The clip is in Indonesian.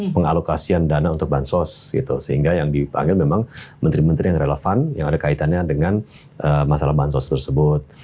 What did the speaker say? pengalokasian dana untuk bansos gitu sehingga yang dipanggil memang menteri menteri yang relevan yang ada kaitannya dengan masalah bansos tersebut